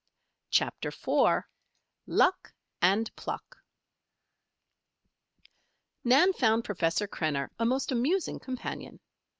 CHAPTER IV LUCK AND PLUCK Nan found Professor Krenner a most amusing companion.